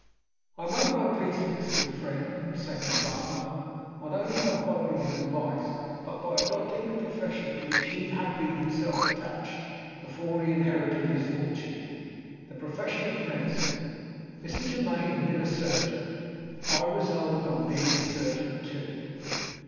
I made my peace with this good friend and second father, not only by following his advice, but by adopting the profession to which he had been himself attached before he inherited his fortune the profession of medicine. Mr. Germaine had been a surgeon: I resolved on being a surgeon too.